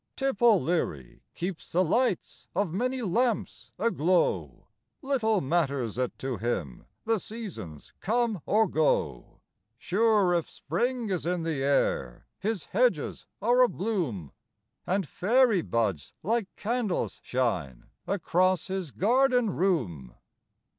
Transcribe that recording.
Tip O'Leary keeps the lights of many lamps aglow, Little matters it to him the seasons come or go, Sure if spring is in the air his hedges are abloom, And fairy buds like candles shine across his garden room.